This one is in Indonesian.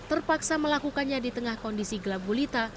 terpaksa melakukannya di tengah kondisi gelap gulita